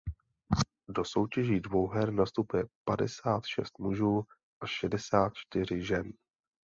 Do soutěží dvouher nastupuje padesát šest mužů a šedesát čtyři žen.